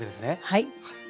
はい。